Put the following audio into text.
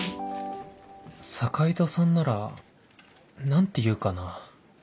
坂井戸さんなら何て言うかな？